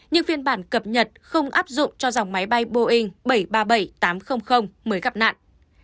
nhưng phiên bản cập nhật không áp dụng cho dòng máy bay boeing bảy trăm ba mươi bảy tám trăm linh mới gặp nạn